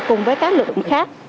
cùng với các lực lượng khác